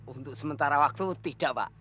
untuk sementara waktu tidak pak